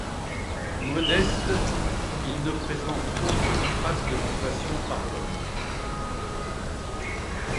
Modestes, ils ne présentent aucune trace d'occupation par l'homme.